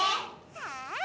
はい！